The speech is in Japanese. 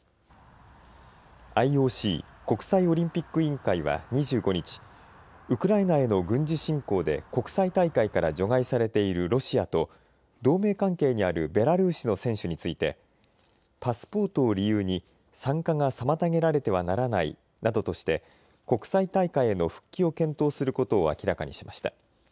ＩＯＣ・国際オリンピック委員会は２５日、ウクライナへの軍事侵攻で国際大会から除外されているロシアと同盟関係にあるベラルーシの選手についてパスポートを理由に参加が妨げられてはならないなどとして国際大会への復帰を検討することを明らかにしました。